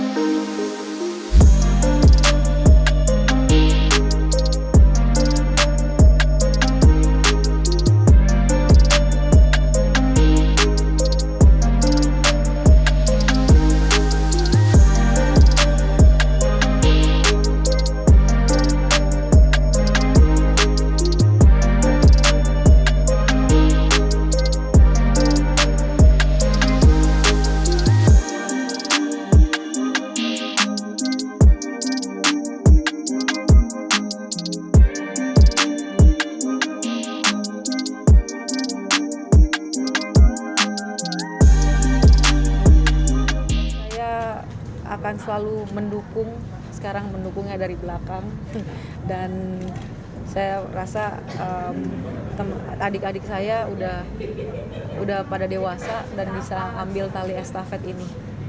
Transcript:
dan saya rasa adik adik saya udah pada dewasa dan bisa ambil tali estafet ini